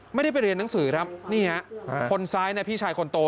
ไม่ได้ไปเรียนหนังสือครับนี่ฮะคนซ้ายนะพี่ชายคนโต